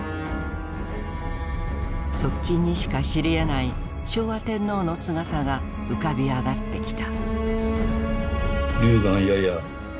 側近にしか知りえない昭和天皇の姿が浮かび上がってきた。